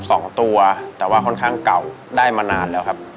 สองตัวแต่ว่าค่อนข้างเก่าได้มานานแล้วครับ